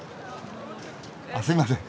あっすいません！